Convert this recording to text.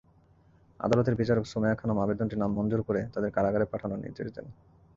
আদালতের বিচারক সুমাইয়া খানম আবেদনটি নামঞ্জুর করে তাঁদের কারাগারে পাঠানোর নির্দেশ দেন।